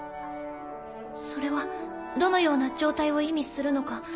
それはどのような状態を意味するのか